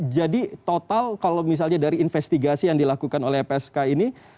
jadi total kalau misalnya dari investigasi yang dilakukan oleh psk ini